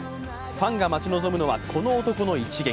ファンが待ち望むのはこの男の一撃。